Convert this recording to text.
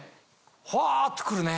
ふわって来るね。